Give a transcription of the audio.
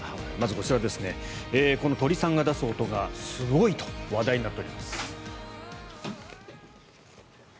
この鳥さんが出す音がすごいと話題になっております。